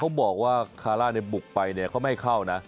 เขาบอกว่าคาร่าบุกไปเนี่ยเขาไม่ให้เข้านะ